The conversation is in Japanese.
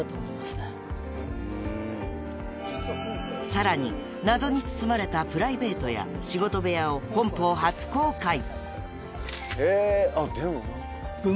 ［さらに謎に包まれたプライベートや仕事部屋を本邦初公開！］え！